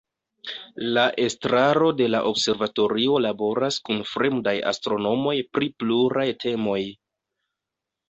La estraro de la observatorio laboras kun fremdaj astronomoj pri pluraj temoj.